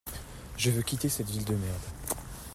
je veux quitter cette ville de merde.